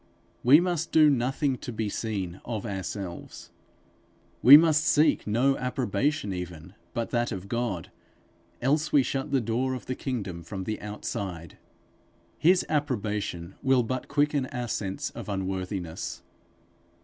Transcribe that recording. We must do nothing to be seen of ourselves. We must seek no approbation even, but that of God, else we shut the door of the kingdom from the outside. His approbation will but quicken our sense of unworthiness.